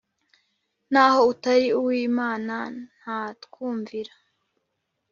naho utari uw'Imana ntatwumvira.